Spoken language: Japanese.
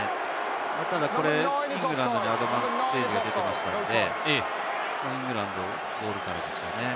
これはイングランドにアドバンテージが出ていましたのでイングランドボールからですよね。